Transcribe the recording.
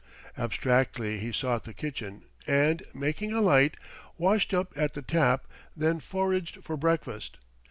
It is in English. Abstractedly he sought the kitchen and, making a light, washed up at the tap, then foraged for breakfast.